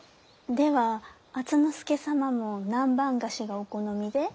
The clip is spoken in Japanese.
では敦之助様も南蛮菓子がお好みで。